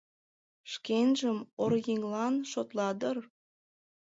Шкенжым оръеҥлан шотла дыр.